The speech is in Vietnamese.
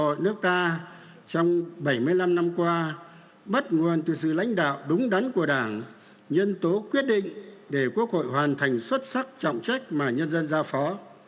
đảng nước ta trong bảy mươi năm năm qua bắt nguồn từ sự lãnh đạo đúng đắn của đảng nhân tố quyết định để quốc hội hoàn thành xuất sắc trọng trách mà nhân dân giao phó